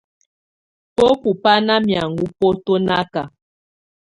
Bǝ́bu bá ná miaŋɔ bɔtɔnaka.